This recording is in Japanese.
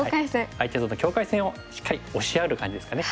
相手との境界線をしっかり押しやる感じですかね。